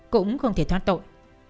cũng không thể thoát tội